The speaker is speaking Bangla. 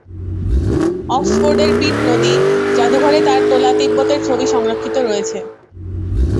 অক্সফোর্ডের পিট নদী জাদুঘরে তার তোলা তিব্বতের ছবি সংরক্ষিত রয়েছে।